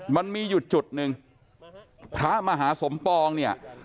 มันมีอยู่จุดหนึ่งพระมหาสมปองเนี่ย